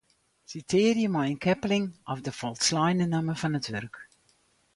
Sitearje mei in keppeling of de folsleine namme fan it wurk.